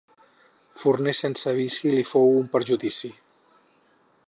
Forner sense vici li fou un perjudici.